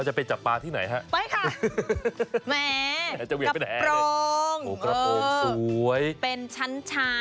จะไปจับปลาที่ไหนฮะแหมกระโปรงโอ้โหเป็นชั้น